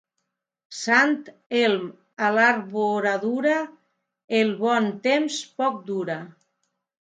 Sant Elm a l'arboradura, el bon temps poc dura.